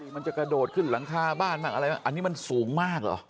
มันจะกระโดดขึ้นหลังคาบ้านอันนี้มันสูงมากหรือ